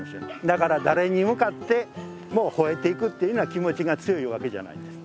だから誰に向かってもほえていくっていうのは気持ちが強いわけじゃないんです。